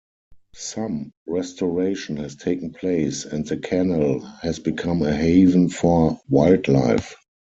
Some restoration has taken place, and the canal has become a haven for wildlife.